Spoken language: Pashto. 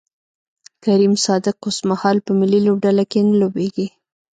کریم صادق اوسمهال په ملي لوبډله کې نه لوبیږي